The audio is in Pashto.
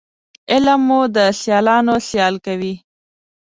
علم مو د سیالانو سیال کوي